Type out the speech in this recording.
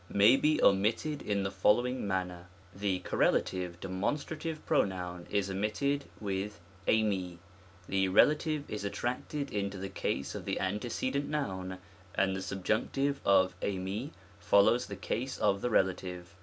may be omitted in the following manner : the correlative demonstrative pronoun is omitted with d/ui^ the relative is attracted into the case of the antecedent noun, and the subjunc tive of d^i follows the case of the relative.